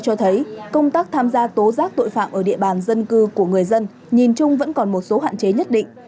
cho thấy công tác tham gia tố giác tội phạm ở địa bàn dân cư của người dân nhìn chung vẫn còn một số hạn chế nhất định